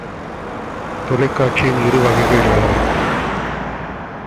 தொலைக்காட்சியின் இரு வகைகள் யாவை?